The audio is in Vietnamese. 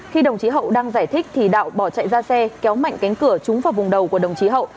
khi đồng chí hậu đang giải thích thì đạo bỏ chạy ra xe kéo mạnh cánh cửa trúng vào vùng đầu của đồng chí hậu